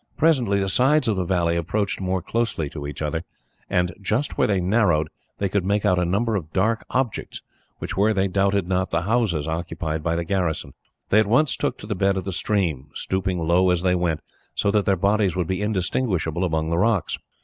Presently, the sides of the valley approached more closely to each other; and, just where they narrowed, they could make out a number of dark objects, which were, they doubted not, the houses occupied by the garrison. They at once took to the bed of the stream, stooping low as they went, so that their bodies would be indistinguishable among the rocks.